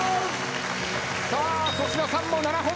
さあ粗品さんも７本目。